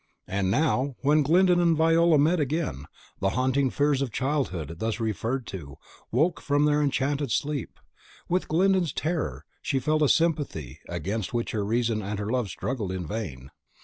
And now, when Glyndon and Viola met again, the haunting fears of childhood, thus referred to, woke from their enchanted sleep. With Glyndon's terror she felt a sympathy, against which her reason and her love struggled in vain.